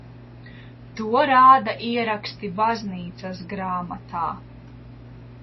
To rāda ieraksti baznīcas grāmatā.